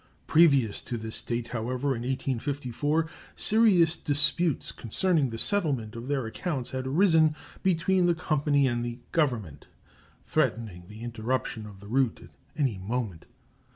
Previous to this date, however, in 1854, serious disputes concerning the settlement of their accounts had arisen between the company and the Government, threatening the interruption of the route at any moment.